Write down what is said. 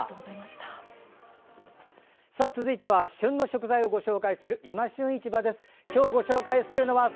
続いては旬の食材をご紹介する「いま旬市場」。